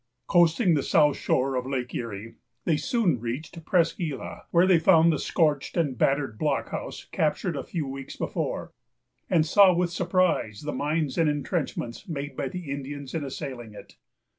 Coasting the south shore of Lake Erie, they soon reached Presqu' Isle, where they found the scorched and battered blockhouse captured a few weeks before, and saw with surprise the mines and intrenchments made by the Indians in assailing it.